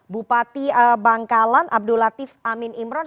bupati bangkalan abdul latif amin imran